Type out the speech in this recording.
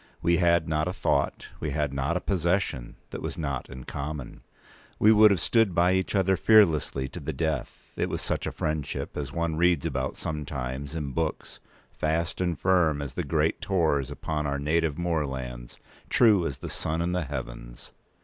We had not a thought, we had not a possession, that was not in common. We would have stood by each other, fearlessly, to the death. It was such a friendship as one reads about sometimes in books: fast and firm as the great Tors upon our native moorlands, true as the sun in the heavens.